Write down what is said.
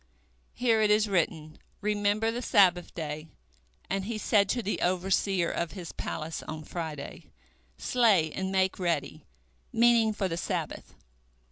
Here it is written, Remember the Sabbath day, and he said to the overseer of his palace on Friday, Slay and make ready, meaning for the Sabbath.